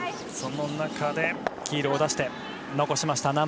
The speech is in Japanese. その中で黄色を出して残しました。